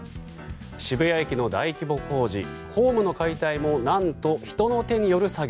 渋谷駅の大規模工事ホームの解体も何と人の手による作業。